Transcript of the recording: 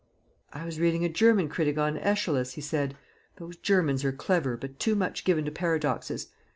"I was reading a German critic on Aeschylus," he said. "Those Germans are clever, but too much given to paradoxes.